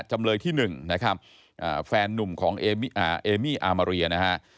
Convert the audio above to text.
จำเลยที่๑นะครับแฟนนุ่มของเอมี่อามาเรียนะฮะ